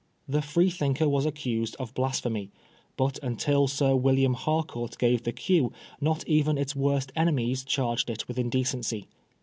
The Freethinker was accused of blasphemy, but until Sir William Harcourt gave the cue not even its worst enemies charged it with indecency.